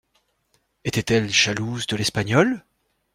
Était-elle jalouse de l'Espagnole?